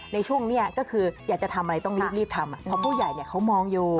ในช่วงนี้ก็คืออยากจะทำอะไรต้องรีบทำเพราะผู้ใหญ่เขามองอยู่